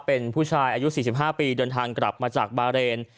เป็นผู้ชายอายุ๔๕ปีเดินทางกลับมาจากบาเรน